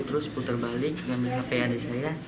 dia terus putar balik dengan hp adik saya